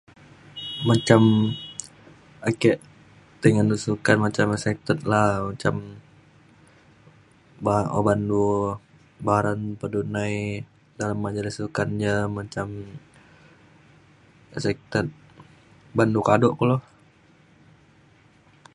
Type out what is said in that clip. macam ake ti ngendu sukan macam excited la macam ba oban du baran pa du nai dalem majlis sukan ja macam excited ban du kado kulo